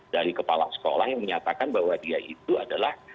dari kepala sekolah yang menyatakan bahwa dia itu adalah